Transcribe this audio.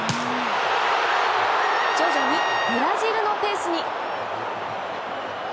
徐々にブラジルのペースに。